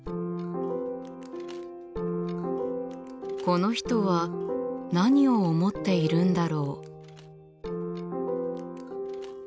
この人は何を思っているんだろう？